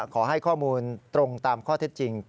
ขอให้ข้อมูลตรงตามข้อเท็จจริง